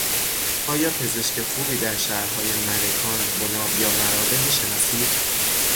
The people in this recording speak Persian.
آیا پزشک خوبی در شهرهای ملکان، بناب یا مراغه میشناسید؟